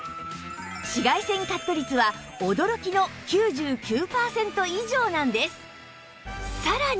紫外線カット率は驚きの９９パーセント以上なんです